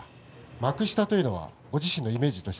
幕下というのはご自身のイメージまあ